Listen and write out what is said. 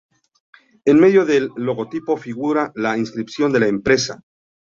En medio del logotipo, figura la inscripción de la empresa.